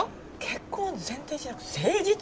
結婚を前提じゃなくて誠実？